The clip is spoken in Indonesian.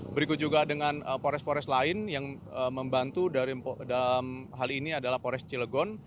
berikut juga dengan porres porres lain yang membantu dalam hal ini adalah porres cilegon